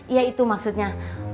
ya itu maksudnya